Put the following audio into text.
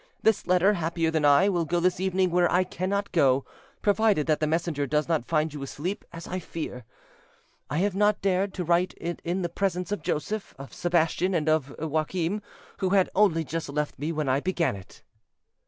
This letter, happier than I, will go this evening where I cannot go, provided that the messenger does not find you asleep, as I fear. I have not dared to write it in the presence of Joseph, of Sebastian, and of Joachim, who had only just left me when I began it."